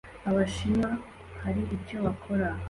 Abashinwa hari icyo bakora